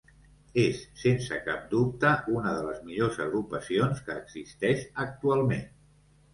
És sense cap dubte una de les millors agrupacions que existeix actualment.